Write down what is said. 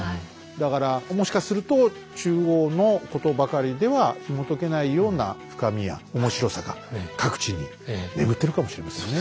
だからもしかすると中央のことばかりではひもとけないような深みや面白さが各地に眠ってるかもしれませんね。